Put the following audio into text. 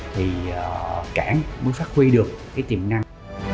thì cảng mới phát huy được cái tiềm năng